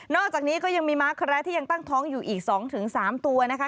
อกจากนี้ก็ยังมีม้าแคระที่ยังตั้งท้องอยู่อีก๒๓ตัวนะคะ